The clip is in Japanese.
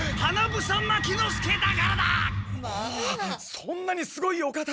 そんなにすごいお方で。